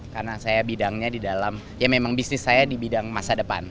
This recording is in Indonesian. karena saya bidangnya di dalam ya memang bisnis saya di bidang masa depan